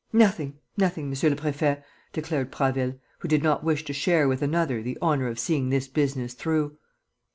"Nothing, nothing, monsieur le préfet," declared Prasville, who did not wish to share with another the honour of seeing this business through.